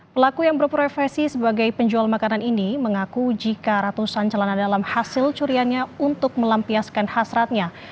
pelaku yang berprofesi sebagai penjual makanan ini mengaku jika ratusan celana dalam hasil curiannya untuk melampiaskan hasratnya